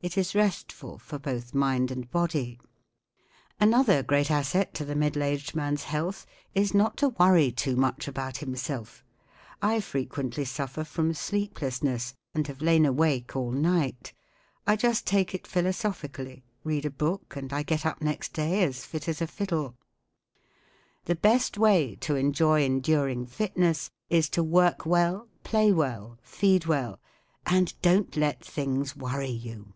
It is restful for both mind and body* Another great asset to the middle aged man's health is not to worry too much about himself. I fre¬ quently suffer from sleeplessness and have lain awake all night. I just take it philosophically', read a book, and I get up next day as fit as a fiddle* The best way to enjoy enduring fitness is to work well, play well, feed well, and don’t let things worry you.